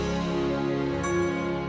sampai jumpa lagi